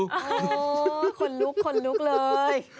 โอ้โหคนลุกคนลุกเลย